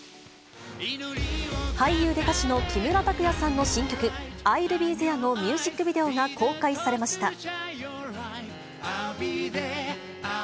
俳優で歌手の木村拓哉さんの新曲、Ｉｌｂｅｔｈｅｒｅのミュージックビデオが公開されました。